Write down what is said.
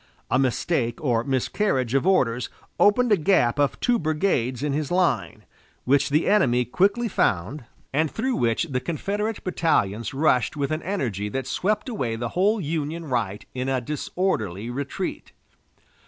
A mistake or miscarriage of orders opened a gap of two brigades in his line, which the enemy quickly found, and through which the Confederate battalions rushed with an energy that swept away the whole Union right in a disorderly retreat.